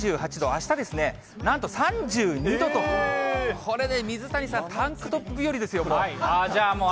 あした、なんと３２度と、これ、水谷さん、タンクトップ日和ですよ、もう。